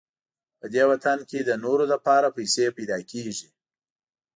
په دې وطن کې د نورو لپاره پیسې پیدا کېږي.